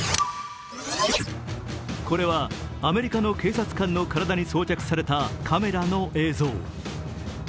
これはアメリカの警察官の体に装着されたカメラの映像。